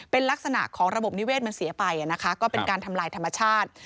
เป็นลักษณะของระบบนิเวศมันเสียไปนะคะก็เป็นการทำลายธรรมชาติ